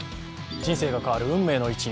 人生が変わる運命の一日